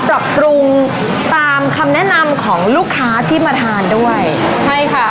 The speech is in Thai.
ปรับปรุงตามคำแนะนำของลูกค้าที่มาทานด้วยใช่ค่ะ